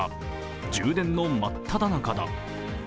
充電の真っただ中だ。